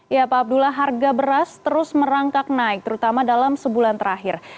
ya pak abdullah harga beras terus merangkak naik terutama dalam sebulan terakhir